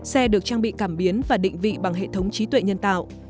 xe được trang bị cảm biến và định vị bằng hệ thống trí tuệ nhân tạo